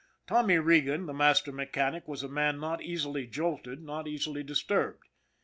Tommy Regan, the master mechanic, was a man not easily jolted, not easily disturbed.